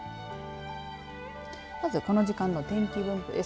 まず、この時間の天気分布です。